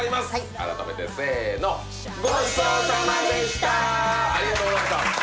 改めてせのありがとうございました